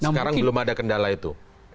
sekarang belum ada kendala itu